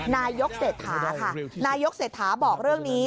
นายกเศรษฐาค่ะนายกเศรษฐาบอกเรื่องนี้